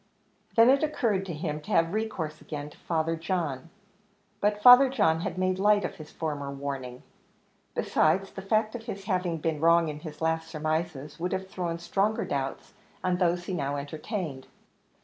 Then it occurred to him to have recourse again to Father John: but Father John had made light of his former warning. Besides, the fact of his having been wrong in his last surmises, would have thrown stronger doubts on those he now entertained.